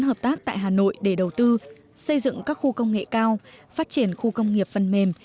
hợp tác tại hà nội để đầu tư xây dựng các khu công nghệ cao phát triển khu công nghiệp phần mềm